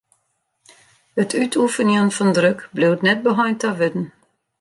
It útoefenjen fan druk bliuwt net beheind ta wurden.